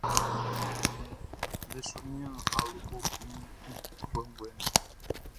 Be su nian awlobo flimu kun kɔnguɛ nga.